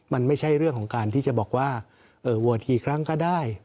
มันไม่ใช่เรื่องของการที่จะบอกว่าโหวตกี่ครั้งก็ได้